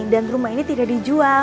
dan rumah ini tidak dijual